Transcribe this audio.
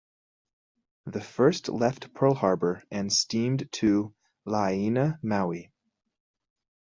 The first left Pearl Harbor and steamed to Lahaina, Maui.